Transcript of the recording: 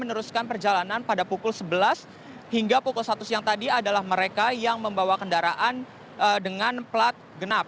meneruskan perjalanan pada pukul sebelas hingga pukul satu siang tadi adalah mereka yang membawa kendaraan dengan plat genap